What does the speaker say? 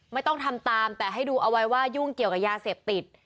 ไม่ต้องทำตามแต่ให้ดูเอาไว้ว่ายุ่งเกี่ยวกับยาเสพติด